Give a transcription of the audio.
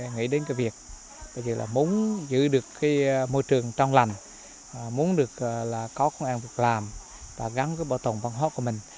nghĩ đến việc muốn giữ được môi trường trong lành muốn có công an việc làm và gắn bảo tổng văn hóa của mình